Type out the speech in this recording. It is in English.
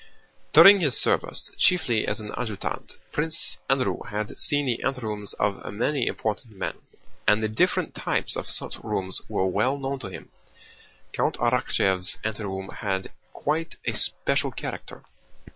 During his service, chiefly as an adjutant, Prince Andrew had seen the anterooms of many important men, and the different types of such rooms were well known to him. Count Arakchéev's anteroom had quite a special character.